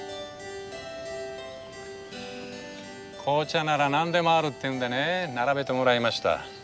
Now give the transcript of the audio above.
紅茶なら何でもあるっていうんでね並べてもらいました。